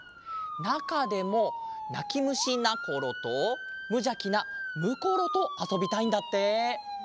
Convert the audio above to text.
なかでも「なきむしなころ」と「むじゃきなむころ」とあそびたいんだって。